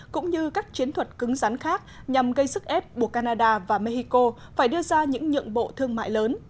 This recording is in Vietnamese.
cũng như các chiến thuật cứng rắn khác nhằm gây sức ép buộc canada và mexico phải đưa ra những nhượng bộ thương mại lớn